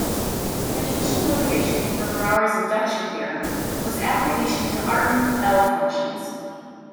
An initial motivation for Brauer's induction theorem was application to Artin L-functions.